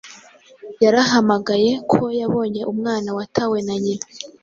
yarahamagaye ko yabonye umwana watawe na nyina